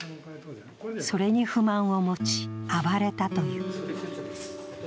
それに不満を持ち暴れたという。